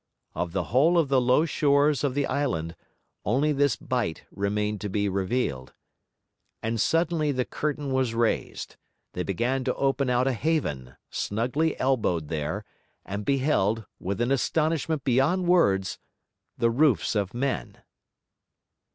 Of the whole of the low shores of the island, only this bight remained to be revealed. And suddenly the curtain was raised; they began to open out a haven, snugly elbowed there, and beheld, with an astonishment beyond words, the roofs of men.